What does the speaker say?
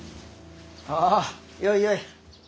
あよいよい。